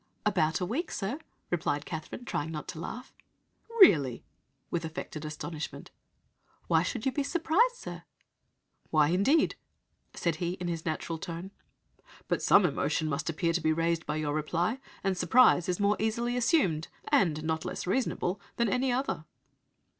"'About a week, sir,' replied Catherine, trying not to laugh. "'Really!' with affected astonishment. "'Why should you be surprised, sir?' "' Why, indeed!' said he, in his natural tone; 'but some emotion must appear to be raised by your reply, and surprise is more easily assumed, and not less reasonable, than any other.'"